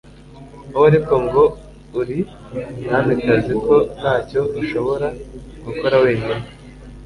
wowe ariko ngo uri mwamikazi ko ntacyo ushobora gukora wenyine